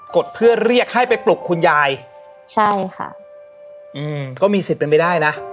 ดเพื่อเรียกให้ไปปลุกคุณยายใช่ค่ะอืมก็มีสิทธิ์เป็นไปได้นะ